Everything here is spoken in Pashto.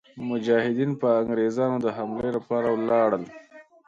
مجاهدین پر انګرېزانو د حملې لپاره ولاړل.